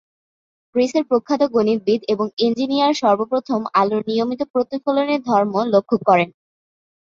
গ্রিসের প্রখ্যাত গণিতবিদ এবং ইঞ্জিনিয়ার- সর্বপ্রথম আলোর নিয়মিত প্রতিফলনের ধর্ম লক্ষ্য করেন।